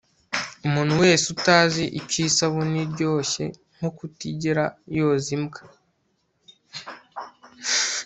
umuntu wese utazi icyo isabune iryoshye nko kutigera yoza imbwa